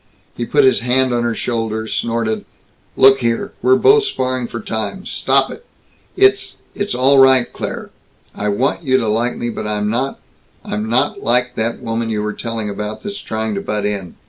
He put his hand on her shoulder, snorted, "Look here. We're both sparring for time. Stop it. It's it's all right, Claire. I want you to like me, but I'm not I'm not like that woman you were telling about that's trying to butt in.